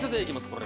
これ。